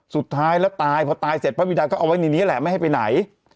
สุดท้ายแล้วตายพอตายเสร็จพระบิดาก็เอาไว้ในนี้แหละไม่ให้ไปไหน